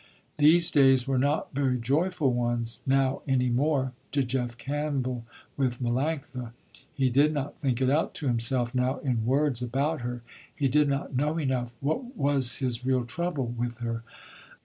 These days were not very joyful ones now any more, to Jeff Campbell, with Melanctha. He did not think it out to himself now, in words, about her. He did not know enough, what was his real trouble, with her.